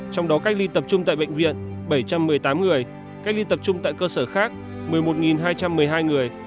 trong đó cách ly tập trung tại bệnh viện bảy trăm một mươi tám người cách ly tập trung tại cơ sở khác một mươi một hai trăm một mươi hai người